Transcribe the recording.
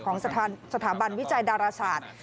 ของสถาบันวิจัยดาราศาสตร์